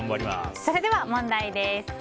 それでは問題です。